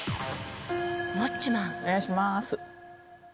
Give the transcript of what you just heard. お願いします。